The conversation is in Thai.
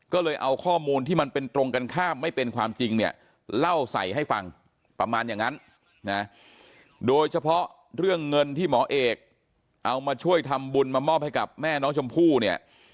ก็เลยเอาข้อมูลที่มันเป็นตรงกันข้ามไม่เป็นความจริงเนี่ยเล่าใส่ให้ฟังประมาณอย่างนั้นนะโดยเฉพาะเรื่องเงินที่หมอเอกเอามาช่วยทำบุญมามอบให้กับแม่น้องชมพู่เนี่ย